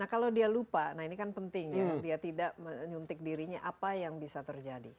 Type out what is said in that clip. nah kalau dia lupa nah ini kan penting dia tidak menyuntik dirinya apa yang bisa terjadi